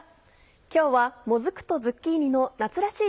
今日はもずくとズッキーニの夏らしい